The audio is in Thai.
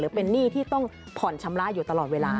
เป็นหนี้ที่ต้องผ่อนชำระอยู่ตลอดเวลา